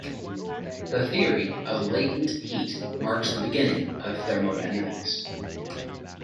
The theory of latent heat marks the beginning of thermodynamics.